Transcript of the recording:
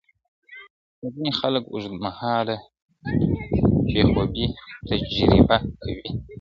خو ځینې خلک اوږدمهاله بې خوبۍ تجربه کوي.